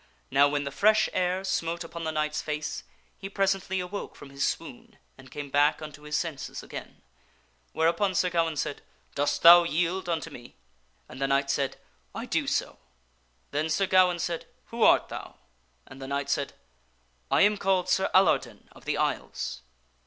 Now, when the fresh air smote upon the knight's face, he presently awoke from his swoon and came back unto his senses again, whereupon Sir Gawaine said, "Dost thou yield unto me?" And the knight said, " I do so." Then Sir Gawaine said, " Who art thou?" And the knight said, " I am called Sir Alardin of the Isles."